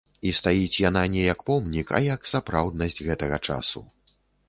І стаіць яна не як помнік, а як сапраўднасць гэтага часу.